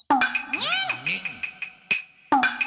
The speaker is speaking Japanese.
ニン！